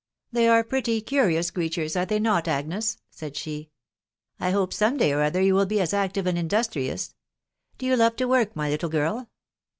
" They are pretty, curious creatures, are they not, Agnes ?" said she. " I hope some day or other you will be as active and industrious. Do you love to work, my little girl."